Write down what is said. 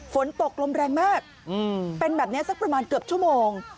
ฝนตกลมแรงมากเป็นแบบนี้สักประมาณเกือบชั่วโมง